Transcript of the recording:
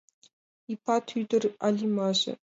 Ипат ӱдыр Алимаже